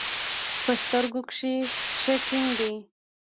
په ستر کښې ښه ټينګ دي.